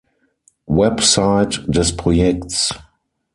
Website des Projekts